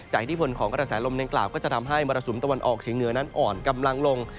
อิทธิพลของกระแสลมดังกล่าวก็จะทำให้มรสุมตะวันออกเฉียงเหนือนั้นอ่อนกำลังลง